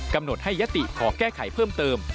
กำหนดให้ยติขอแก้ไขเพิ่มเติม